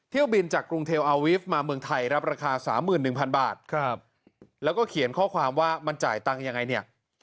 เที่ยวบินจากกรุงเทลอาวิฟต์มาเมืองไทยรับราคา๓๑๐๐บาทแล้วก็เขียนข้อความว่ามันจ่ายตังค์ยังไงเนี่ย